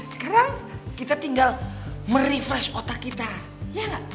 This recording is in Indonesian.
sekarang kita tinggal merefresh otak kita ya nggak